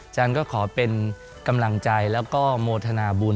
ฉันก็ขอเป็นกำลังใจแล้วก็โมทนาบุญ